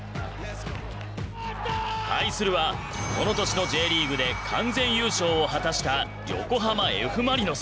対するはこの年のＪリーグで完全優勝を果たした横浜Ｆ・マリノス。